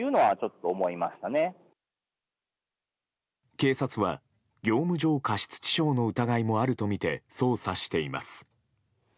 警察は業務上過失致傷の疑いもあるとみて捜査しています。